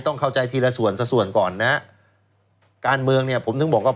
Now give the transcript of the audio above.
ต้องเข้าใจทีละส่วนสักส่วนก่อนนะฮะการเมืองเนี่ยผมถึงบอกว่า